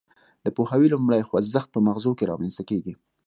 د پوهاوي لومړی خوځښت په مغزو کې رامنځته کیږي